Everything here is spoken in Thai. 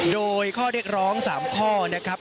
โดยข้อเรียกร้อง๓ข้อนะครับ